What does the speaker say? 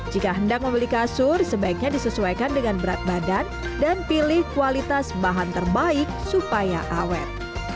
jika hendak membeli kasur sebaiknya disesuaikan dengan berat badan dan pilih kualitas bahan terbaik supaya awet